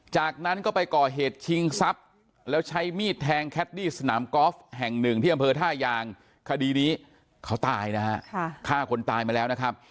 จากนั้นก็ไปก่อเหตุชิงทรัพย์แล้วใช้มีดแทงแคดดี้สนามกอล์ฟแห่งหนึ่งที่อำเภอท่ายางคดีนี้เขาตายนะฮะฆ่าคนตายมาแล้วนะครับ